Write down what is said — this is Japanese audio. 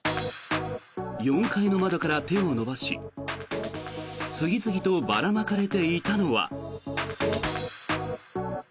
４階の窓から手を伸ばし次々とばらまかれていたのは。